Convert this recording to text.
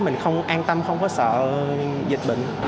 mình không an tâm không có sợ dịch bệnh